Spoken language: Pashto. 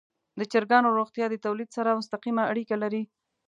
د چرګانو روغتیا د تولید سره مستقیمه اړیکه لري.